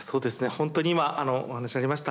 本当に今お話にありました